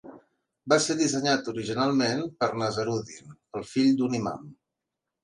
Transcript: Va ser dissenyat originalment per Nazaruddin, el fill d"un imam.